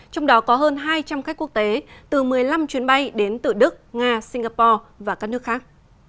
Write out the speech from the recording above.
trong đó có hơn hai trăm linh khách quốc tế từ một mươi năm chuyến bay đến từ đức nga singapore và các nước khác